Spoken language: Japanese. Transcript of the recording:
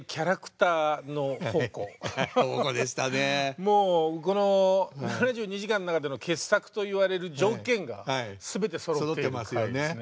もうこの「７２時間」の中での傑作といわれる条件が全てそろっている回ですね。